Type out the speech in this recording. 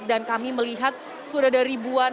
dan kami melihat sudah ada ribuan